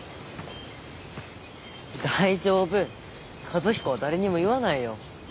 大丈夫和彦は誰にも言わないよ。